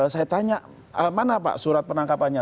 saya tanya mana pak surat penangkapannya